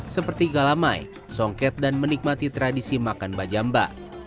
seperti galamai songket dan menikmati tradisi makan bajamba